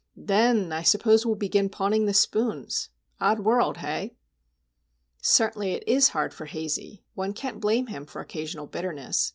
"Then, I suppose, we'll begin pawning the spoons. Odd world,—hey?" Certainly, it is hard for Hazey. One can't blame him for occasional bitterness.